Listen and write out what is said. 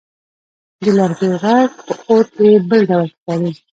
د لرګیو ږغ په اور کې بل ډول ښکاري.